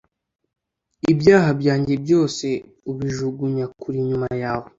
ibyaha byanjye byose ubijugunya kure inyuma yawe.